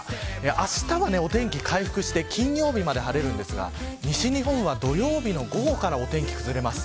あしたはお天気回復して金曜日まで晴れますが西日本は土曜日の午後からお天気崩れます。